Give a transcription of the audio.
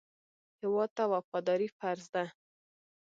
هېواد ته وفاداري فرض ده